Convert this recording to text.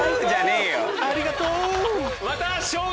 ありがとう！